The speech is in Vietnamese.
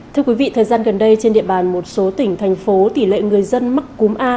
thưa quý vị thời gian gần đây trên địa bàn một số tỉnh thành phố tỷ lệ người dân mắc cúm a